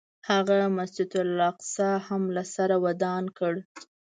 هغه مسجد الاقصی هم له سره ودان کړ.